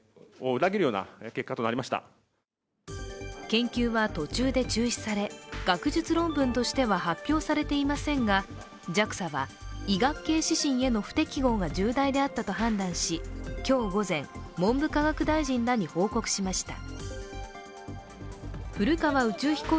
研究は途中で中止され、学術論文としては発表されていませんがＪＡＸＡは医学系指針への不適合が重大であったと判断し今日午前、文部科学大臣らに報告しました。